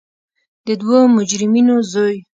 د دوو مجرمینو زوی.